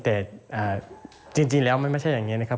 แต่จริงแล้วมันไม่ใช่อย่างนี้นะครับ